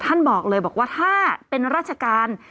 บอกเลยบอกว่าถ้าเป็นราชการ